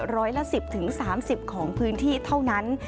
ร้อยละ๑๐๓๐ของพื้นที่เท่านั้น